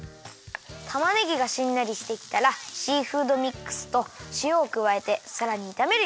たまねぎがしんなりしてきたらシーフードミックスとしおをくわえてさらにいためるよ。